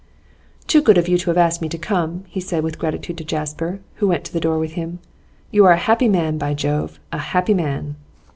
'Too good of you to have asked me to come,' he said with gratitude to Jasper, who went to the door with him. 'You are a happy man, by Jove! A happy man!